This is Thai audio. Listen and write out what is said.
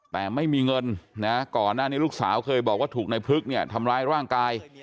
แต่ไม่มีเงินนะก่อนหน้านี้ลูกสาวเคยบอกว่าถูกในพลึกเนี่ยทำร้ายร่างกาย